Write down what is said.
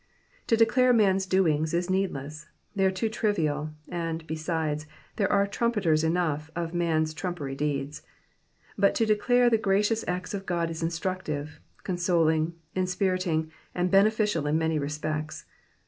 To declare man^s doings is needless ; they are too trivial, and, besides, there are trumpeters cmough of man's trumpery deeds ; but to declare the gracious acts of God is instructive, consoling, inspiriting, and beneficial in many respects.